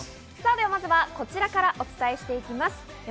まずはこちらからお伝えしていきます。